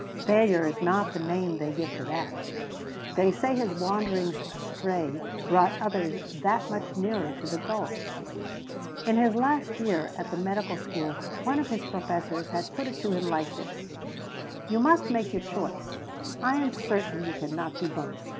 Failure is not the name they give to that. They say his wanderings astray brought others that much nearer to the goal. In his last year at the medical school one of his professors had put it to him like this: "You must make your choice. It is certain you can not do both.